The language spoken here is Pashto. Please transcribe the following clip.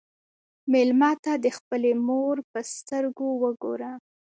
مېلمه ته د خپلې مور په سترګو وګوره.